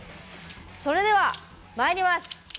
それではまいります。